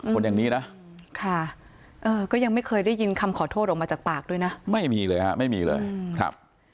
คนอย่างนี้นะค่ะเออก็ยังไม่เคยได้ยินคำขอโทษออกมาจากปากด้วยนะไม่มีเลยฮะไม่มีเลยครับ